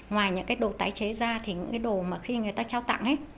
ngoài những cái đồ tái chế ra thì những cái đồ mà khi người ta trao tặng hết